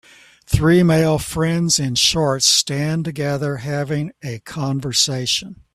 Three male friends in shorts stand together having a conversation